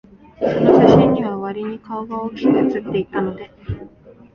その写真には、わりに顔が大きく写っていたので、